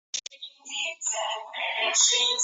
广场部分跨越丽都运河。